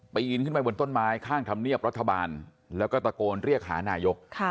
ปีนขึ้นไปบนต้นไม้ข้างธรรมเนียบรัฐบาลแล้วก็ตะโกนเรียกหานายก